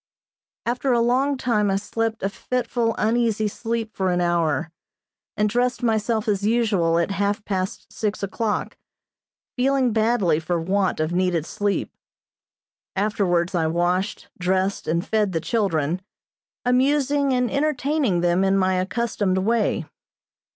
After a long time I slept a fitful, uneasy sleep for an hour, and dressed myself as usual at half past six o'clock, feeling badly for want of needed sleep. Afterwards I washed, dressed and fed the children, amusing and entertaining them in my accustomed way.